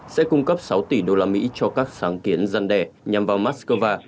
sẽ cung cấp sáu tỷ đô la mỹ cho các sáng kiến gian đẻ nhằm vào mắc cơ va